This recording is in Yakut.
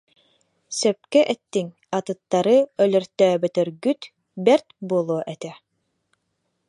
Сөпкө эттиҥ, атыттары өлөртөөбөтөргүт бэрт буолуо этэ